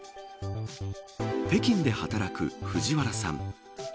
北京で働く藤原さん。